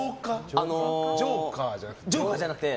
ジョーカーじゃなくて？